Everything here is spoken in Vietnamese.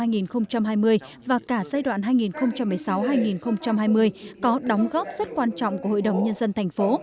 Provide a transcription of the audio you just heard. năm hai nghìn hai mươi và cả giai đoạn hai nghìn một mươi sáu hai nghìn hai mươi có đóng góp rất quan trọng của hội đồng nhân dân thành phố